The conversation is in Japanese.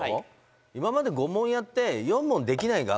今まで５問やって４問「できない」があったんです。